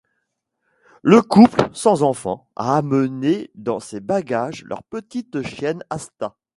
Le couple, sans enfant, a amené dans ses bagages leur petite chienne Asta.